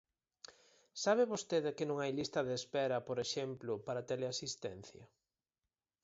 ¿Sabe vostede que non hai lista de espera, por exemplo, para teleasistencia?